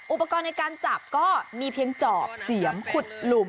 อุปกรณ์ในการจับก็มีเพียงจอบเสียมขุดหลุม